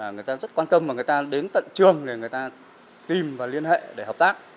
người ta rất quan tâm và người ta đến tận trường để người ta tìm và liên hệ để hợp tác